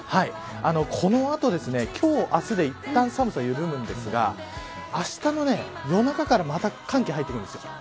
この後、今日、明日でいったん寒さは緩みますがあしたの夜中からまた寒気が入ってきます。